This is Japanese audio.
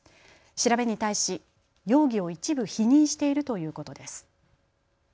調べに対し容疑を一部否認しているということです。